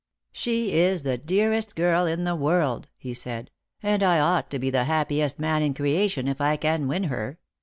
" She is the dearest girl in the world," he said ;" and I ought to be the happiest man in creation if I can win her.